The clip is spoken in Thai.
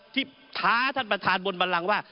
ที่ท้าท่านประธานบนบัลลังก์ว่า